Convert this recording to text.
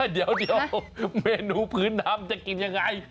เดี๋ยวเมนูพื้นน้ำจะกินยังไง